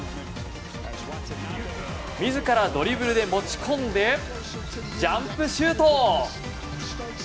自らドリブルで持ち込んでジャンプシュート。